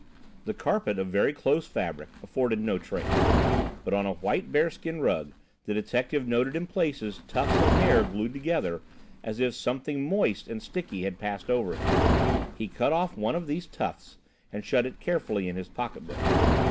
The carpet, of very close fabric, afforded no trace, but on a white bearskin rug the detective noted in places tufts of hair glued together as if something moist and sticky had passed over it. He cut off one of these tufts and shut it carefully in his pocketbook.